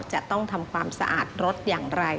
จะต้องทำความสะอาดรถอย่างไร